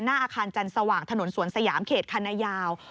อาคารจันทร์สว่างถนนสวนสยามเขตคันนายาว